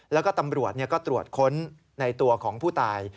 แล้วก็ตำรวจก็ตรวจค้นในตัวของผู้ตาย